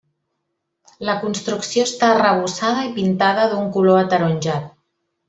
La construcció està arrebossada i pintada d'un color ataronjat.